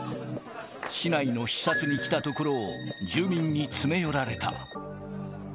市内の視察に来たところを、住民に詰め寄られた。